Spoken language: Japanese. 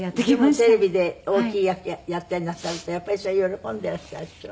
でもテレビで大きい役やったりなさるとやっぱりそれ喜んでいらしたでしょ？